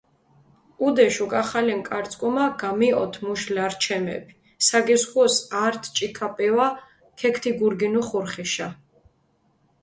ჸუდეშ უკახალენ კარწკუმა გამიჸოთ მუშ ლარჩემეფი, საგესქუოს ართ ჭიქა პივა ქეგთიგურგინუ ხურხიშა.